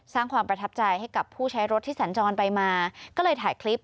สร้างความประทับใจให้กับผู้ใช้รถที่สัญจรไปมาก็เลยถ่ายคลิป